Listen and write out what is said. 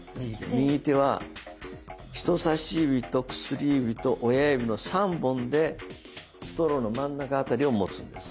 右手は人さし指と薬指と親指の３本でストローの真ん中あたりを持つんです。